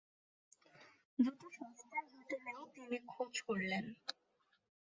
দুটো সস্তার হোটেলেও তিনি খোঁজ করলেন।